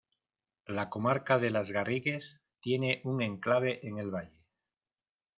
La comarca de las Garrigues tiene un enclave en el Valle.